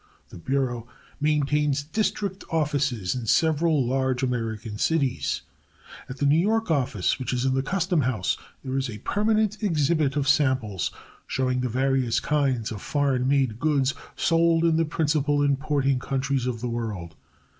The Bureau maintains district offices in several large American cities. At the New York office, which is in the Custom House, there is a permanent exhibit of samples showing the various kinds of foreign made goods sold in the principal importing countries of the world.